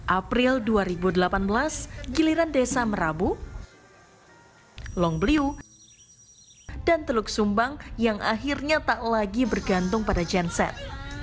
april dua ribu delapan belas giliran desa merabu longbeliu dan teluk sumbang yang akhirnya tak lagi bergantung pada genset